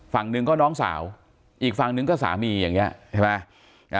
ฝั่งหนึ่งก็น้องสาวอีกฝั่งนึงก็สามีอย่างนี้ใช่ไหม